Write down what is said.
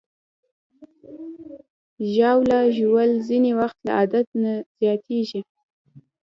ژاوله ژوول ځینې وخت له عادت نه زیاتېږي.